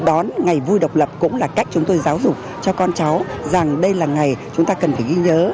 đón ngày vui độc lập cũng là cách chúng tôi giáo dục cho con cháu rằng đây là ngày chúng ta cần phải ghi nhớ